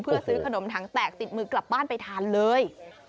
เพื่อซื้อขนมถังแตกติดมือกลับบ้านไปทานเลย